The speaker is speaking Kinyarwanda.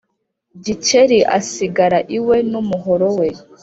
Gikeli asigara iwe n’umuhoro we.